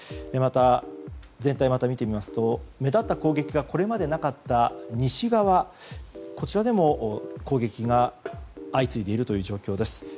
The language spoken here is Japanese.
また、全体を見てみますと目立った攻撃がこれまでなかった西側でも攻撃が相次いでいるという状況です。